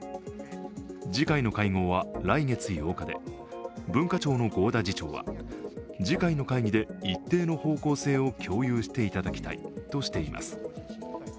次回の会合は来月８日で文化庁の合田次長は次回の会議で一定の方向性を共有していただきたいとしています。